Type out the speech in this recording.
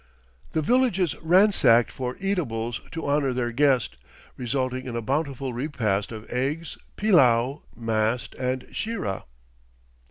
The village is ransacked for eatables to honor their guest, resulting in a bountiful repast of eggs, pillau, mast, and sheerah.